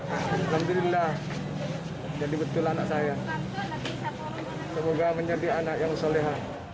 alhamdulillah jadi betul anak saya semoga menjadi anak yang soleha